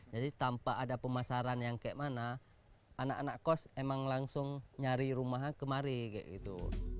jadi tanpa ada pemasaran yang kayak mana anak anak kos emang langsung nyari rumah kemari kayak gitu